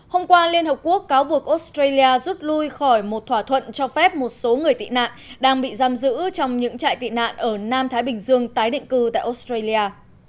hôm qua liên hợp quốc cáo buộc australia rút lui khỏi một thỏa thuận cho phép một số người tị nạn đang bị giam giữ trong những trại tị nạn ở nam thái bình dương tái định cư tại australia